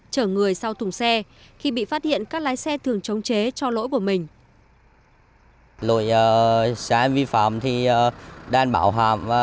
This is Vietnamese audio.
chở người sau thùng xe khi bị phát hiện các lái xe thường chống chế cho lỗi của mình